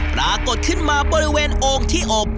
แปลกออกขึ้นมาบริเวณโอคที่โอป